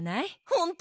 ほんと？